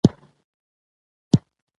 زه غواړم چې په راتلونکي کې جرمنی ته لاړ شم